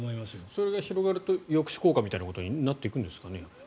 それが広がると抑止効果みたいなことになっていくんですかね。